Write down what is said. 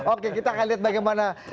oke kita akan lihat bagaimana